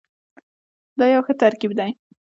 دا یو ښه ترکیب دی.